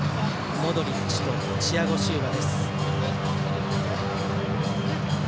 モドリッチとチアゴ・シウバです。